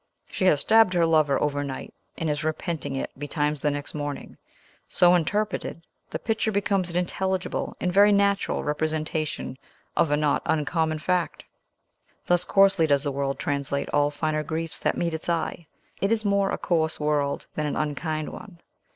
She has stabbed her lover overnight, and is repenting it betimes the next morning. So interpreted, the picture becomes an intelligible and very natural representation of a not uncommon fact." Thus coarsely does the world translate all finer griefs that meet its eye. It is more a coarse world than an unkind one.